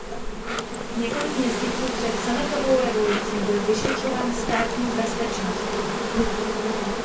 Několik měsíců před Sametovou revolucí byl vyšetřován Státní bezpečností.